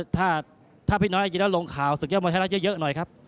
ถ้าพี่น้อยจริงแล้วลงข่าวศึกยอดมวยไทยรัฐเยอะหน่อยครับ